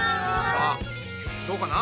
さあどうかな？